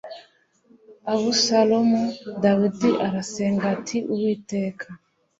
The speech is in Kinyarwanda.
Abusalomu Dawidi arasenga ati Uwiteka